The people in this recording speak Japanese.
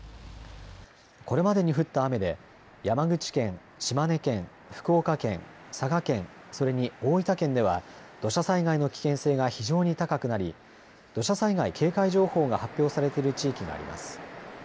これまでに降った雨で山口県、島根県、福岡県、佐賀県、それに大分県では土砂災害の危険性が非常に高くなり土砂災害警戒情報が発表されている地域があります。